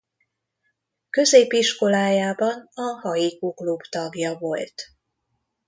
Középiskolájában a haiku klub tagja volt.